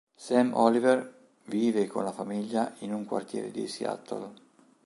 Sam Oliver vive con la famiglia in un quartiere di Seattle.